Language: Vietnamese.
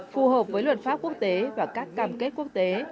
phù hợp với luật pháp quốc tế và các cam kết quốc tế